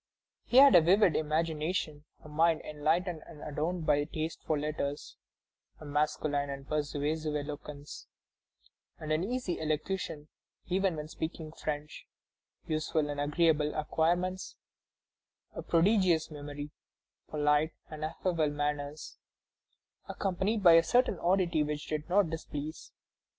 He had a vivid imagination, a mind enlightened and adorned by a taste for letters, a masculine and persuasive eloquence, and an easy elocution even when speaking French; useful and agreeable acquirements, a prodigious memory, polite and affable manners, accompanied by a certain oddity which did not displease.